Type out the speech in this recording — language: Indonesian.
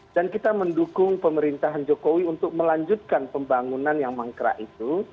dan kita mendukung pemerintahan jokowi untuk melanjutkan pembangunan yang mangkrak itu